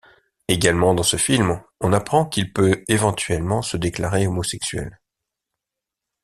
Également dans ce film, on apprend qu'il peut éventuellement se déclarer homosexuel.